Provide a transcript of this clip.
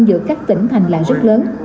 giữa các tỉnh hành lại rất lớn